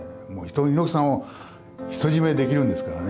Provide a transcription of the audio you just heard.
猪木さんを独り占めできるんですからね。